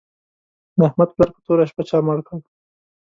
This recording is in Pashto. د احمد پلار په توره شپه چا مړ کړ